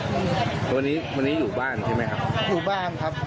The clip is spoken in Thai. วันนี้วันนี้อยู่บ้านใช่ไหมครับอยู่บ้านครับ